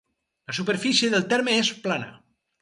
La superfície del terme és plana.